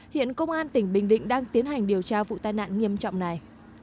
hiện công an tỉnh bình định đang tiến hành điều tra vụ tai nạn nghiêm trọng này